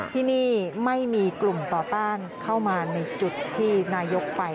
ที่นี่ไม่มีกลุ่มต่อต้านเข้ามาในจุดที่นายกไป